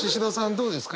どうですか？